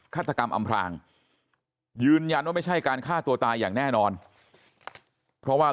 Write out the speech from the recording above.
ฆาตกรรมอำพลางยืนยันว่าไม่ใช่การฆ่าตัวตายอย่างแน่นอนเพราะว่า